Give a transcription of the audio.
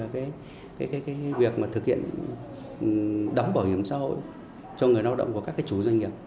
cái việc mà thực hiện đóng bảo hiểm xã hội cho người lao động của các chủ doanh nghiệp